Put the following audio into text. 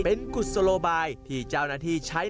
เป็นกุศโลบายที่เจ้าหน้าที่ใช้